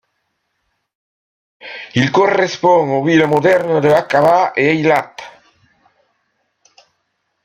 Il correspond aux villes modernes de Aqaba et Eilat.